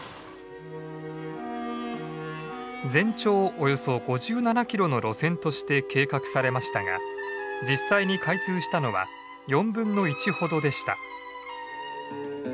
およそ５７キロの路線として計画されましたが実際に開通したのは４分の１ほどでした。